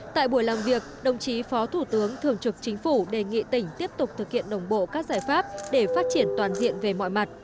tại buổi làm việc đồng chí phó thủ tướng thường trực chính phủ đề nghị tỉnh tiếp tục thực hiện đồng bộ các giải pháp để phát triển toàn diện về mọi mặt